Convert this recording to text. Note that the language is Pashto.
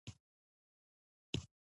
په غوسه شوه ویل یې ځم ناوخته کیږي